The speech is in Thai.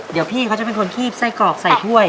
เดี๋ยวพี่เขาจะเป็นคนคีบไส้กรอกใส่ถ้วย